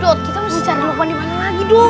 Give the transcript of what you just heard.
dot kita harus cari lukman dimana lagi dot